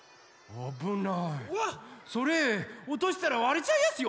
それおとしたらわれちゃいやすよ。